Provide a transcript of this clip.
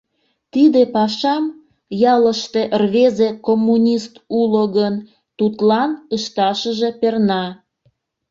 Тиде пашам, ялыште рвезе коммунист уло гын, тудлан ышташыже перна.